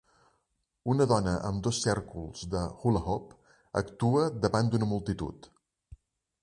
Una dona amb dos cèrcols de "hula hoop" actua davant d'una multitud.